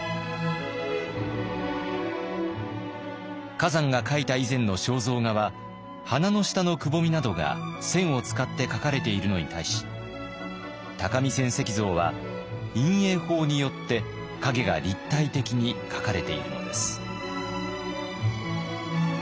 崋山が描いた以前の肖像画は鼻の下のくぼみなどが線を使って描かれているのに対し「鷹見泉石像」は陰影法によって影が立体的に描かれているのです。